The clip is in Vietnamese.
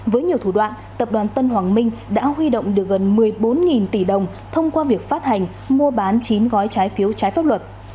với nhiều thủ đoạn tập đoàn tân hoàng minh đã huy động được gần một mươi bốn tỷ đồng thông qua việc phát hành mua bán chín gói trái phiếu trái pháp luật